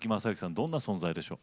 どんな存在でしょう？